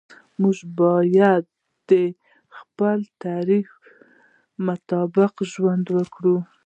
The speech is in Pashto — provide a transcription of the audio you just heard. موږ باید د خپل تعریف مطابق ژوند وکړو.